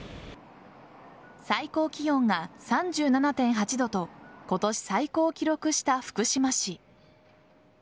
最高気温が３７．８度と今年最高を記録した福島市。